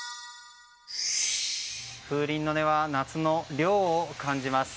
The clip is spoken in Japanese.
風鈴の音は夏の涼を感じます。